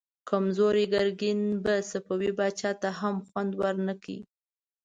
کمزوری ګرګين به صفوي پاچا ته هم خوند ورنه کړي.